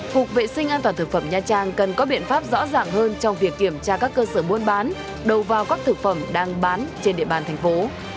cục vệ sinh an toàn thực phẩm nha trang cần có biện pháp rõ ràng hơn trong việc kiểm tra các cơ sở buôn bán đầu vào các thực phẩm đang bán trên địa bàn thành phố